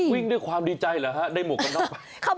วิ่งด้วยความดีใจเหรอฮะได้หมวกกันน็อกไป